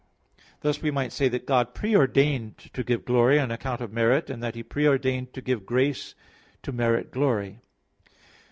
Thus we might say that God pre ordained to give glory on account of merit, and that He pre ordained to give grace to merit glory.